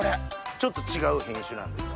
ちょっと違う品種なんですか？